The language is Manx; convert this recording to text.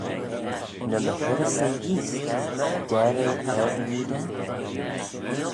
Ny my hirrys eh eeast, der eh ard-nieu da?